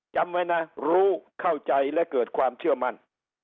จำไว้นะรู้เข้าใจและเกิดความเชื่อมั่น